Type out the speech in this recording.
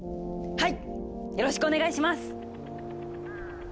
はい。